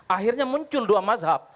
akhirnya muncul dua mazhab